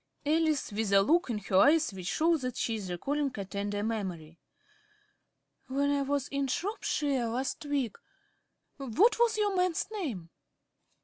~Alice~ (with a look in her eyes which shows that she is recalling a tender memory). When I was in Shropshire last week What was your man's name?